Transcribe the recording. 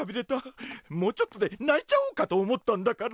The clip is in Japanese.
もうちょっとでないちゃおうかと思ったんだから。